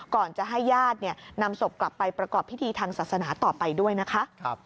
ก่อนจะให้ญาตินำศพกลับไปประกอบพิธีทางศาสนาต่อไปด้วยนะคะ